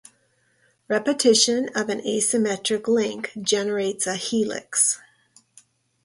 Repetition of an asymmetric link generates a helix.